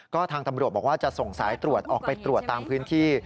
ก็ทางตำรวจบอกว่าจะส่งสายตรวจออกไปตรวจตามพื้นที่